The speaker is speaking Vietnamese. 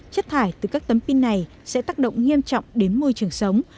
chất thải từ các tấm pin này sẽ tác động nghiêm trọng đến môi trường sống